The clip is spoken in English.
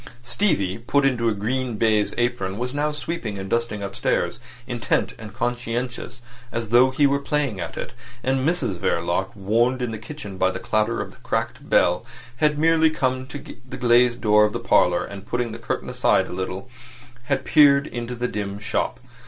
Stevie, put into a green baize apron, was now sweeping and dusting upstairs, intent and conscientious, as though he were playing at it; and Mrs Verloc, warned in the kitchen by the clatter of the cracked bell, had merely come to the glazed door of the parlour, and putting the curtain aside a little, had peered into the dim shop.